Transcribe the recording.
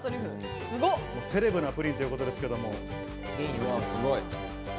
セレブなプリンということです。